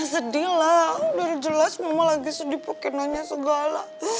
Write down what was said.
sedih lah udah jelas mama sedih lagi pukinannya segala